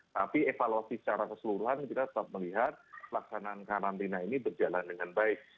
tapi evaluasi secara keseluruhan kita tetap melihat pelaksanaan karantina ini berjalan dengan baik